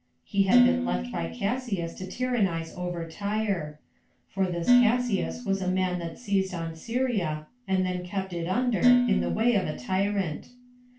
He had been left by Cassius to tyrannize over Tyre; for this Cassius was a man that seized on Syria, and then kept it under, in the way of a tyrant.